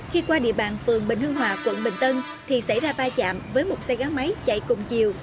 khi qua địa bàn phường bình hưng hòa quận bình tân thì xảy ra vai chạm với một xe gắn máy chạy cùng chiều